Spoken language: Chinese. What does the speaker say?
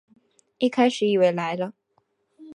一开始以为来了